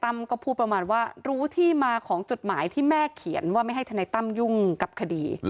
ก็พูดประมาณว่ารู้ที่มาของจดหมายที่แม่เขียนว่าไม่ให้ทนายตั้มยุ่งกับคดี